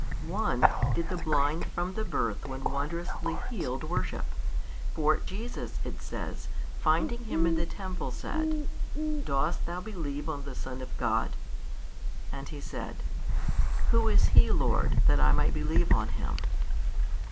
One 41 did the blind from the birth when wondrously healed worship: for Jesus (it says) finding him in the temple said, Dost thou believe on the Son of God, and he said, Who is He, Lord, that I might believe on Him?